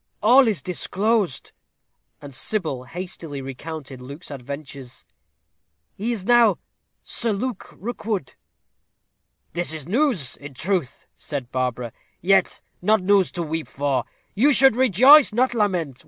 All is disclosed." And Sybil hastily recounted Luke's adventures. "He is now Sir Luke Rookwood." "This is news, in truth," said Barbara; "yet not news to weep for. You should rejoice, not lament.